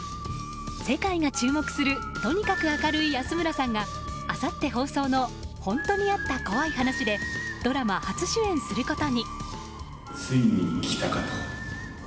世界が注目するとにかく明るい安村さんがあさって放送の「ほんとにあった怖い話」でドラマ初主演することに。